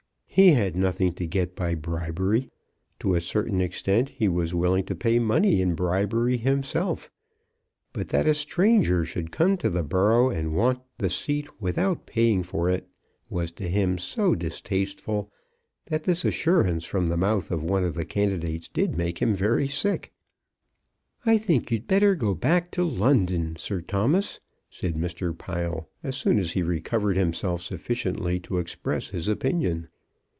He had nothing to get by bribery. To a certain extent he was willing to pay money in bribery himself. But that a stranger should come to the borough and want the seat without paying for it was to him so distasteful, that this assurance from the mouth of one of the candidates did make him very sick. "I think you'd better go back to London, Sir Thomas," said Mr. Pile, as soon as he recovered himself sufficiently to express his opinion.